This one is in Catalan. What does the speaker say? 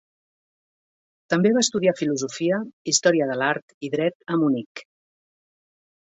També va estudiar filosofia, història de l'art i dret a Munic.